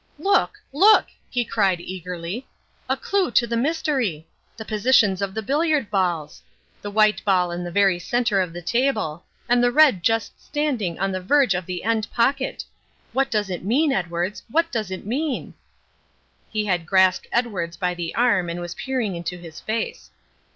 "Look, look!" he cried eagerly. "The clue to the mystery! The positions of the billiard balls! The white ball in the very centre of the table, and the red just standing on the verge of the end pocket! What does it mean, Edwards, what does it mean?" He had grasped Edwards by the arm and was peering into his face.